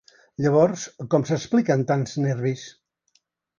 Llavors com s’expliquen tants nervis?